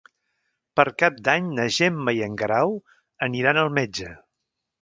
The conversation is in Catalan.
Per Cap d'Any na Gemma i en Guerau aniran al metge.